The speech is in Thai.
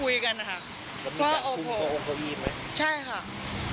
ยังไงบ้าง